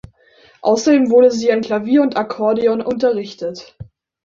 Außerdem wurde sie an Klavier und Akkordeon unterrichtet.